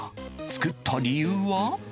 作った理由は。